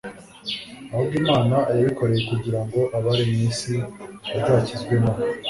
ahubwo Imana yabikoreye kugira ngo abari mu isi bazakizwe na we."